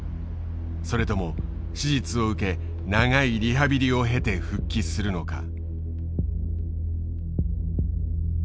それとも手術を受け長いリハビリを経て復帰するのか。